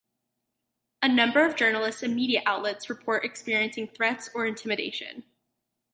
A number of journalists and media outlets report experiencing threats or intimidation.